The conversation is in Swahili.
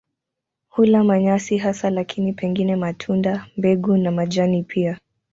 Hula manyasi hasa lakini pengine matunda, mbegu na majani pia.